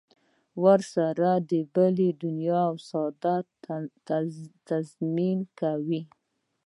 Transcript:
ورسره د بلې دنیا سعادت تضمین کوي.